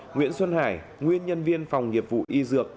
nguyễn xuân hải nguyên nhân viên phòng nghiệp vụ y dược